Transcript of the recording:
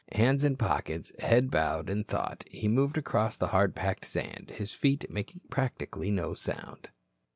Hands in his pockets, head bowed in thought, he moved across the hard packed sand, his feet making practically no sound.